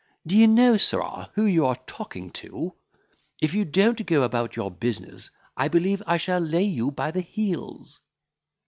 D'ye know, sirrah, who you are talking to? If you don't go about your business, I believe I shall lay you by the heels."